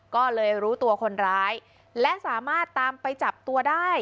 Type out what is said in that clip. ก็เลยรู้ตัวคนร้ายและสามารถตามไปจับตัวได้